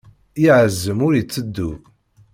Yeɛzem ur itteddu.